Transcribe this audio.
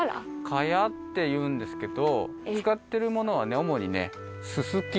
かやっていうんですけどつかってるものはおもにねすすき。